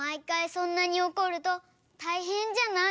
そんなにおこるとたいへんじゃない？